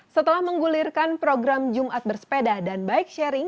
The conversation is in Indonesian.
setelah menggulirkan program jumat bersepeda dan bike sharing